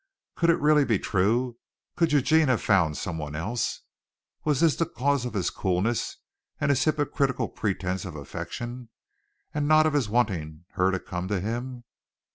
Could it really be true? Could Eugene have found someone else? Was this the cause of his coolness and his hypocritical pretence of affection? and of his not wanting her to come to him?